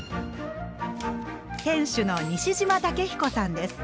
店主の西島武彦さんです。